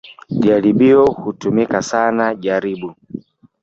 "Jaribio, hutumika sana jaribu"